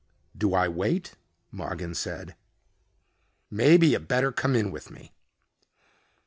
"Do I wait?" Mogin said. "Maybe you better come in with me."